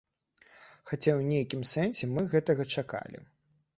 Хаця ў нейкім сэнсе мы гэтага чакалі.